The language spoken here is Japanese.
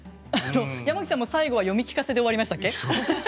山口さんも最後は読み聞かせで終わりましたっけ。